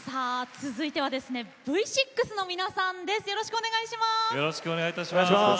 続いてはＶ６の皆さんです。